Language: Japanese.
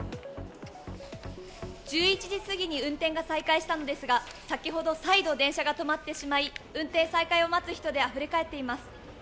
１１時過ぎに運転が再開したんですが、先ほど再度電車が止まってしまい運転再開を待つ人であふれかえっています。